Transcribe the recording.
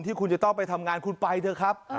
คุณจะต้องไปทำงานคุณไปเถอะครับ